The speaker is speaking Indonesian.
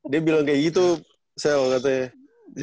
dia bilang kayak gitu sel katanya